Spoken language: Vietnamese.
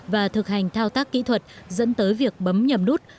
và thực hành thao tác kỹ thuật dẫn tới việc bấm nhầm nút